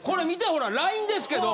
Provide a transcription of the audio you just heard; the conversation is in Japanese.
ほらＬＩＮＥですけど。